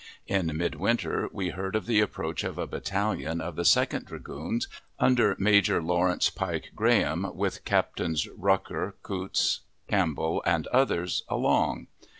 In midwinter we heard of the approach of a battalion of the Second Dragoons, under Major Lawrence Pike Graham, with Captains Rucker, Coutts, Campbell, and others, along.